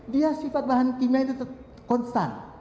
dia sifat bahan kimia itu konstan